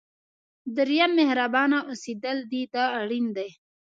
دریم مهربانه اوسېدل دی دا اړین دي.